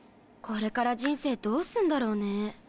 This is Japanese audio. これから人生どうすんだろうね。